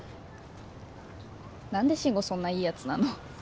何で慎吾そんないいやつなの？